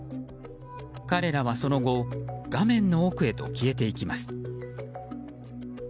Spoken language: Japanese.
彼らは、その後画面の奥へと消えていきます。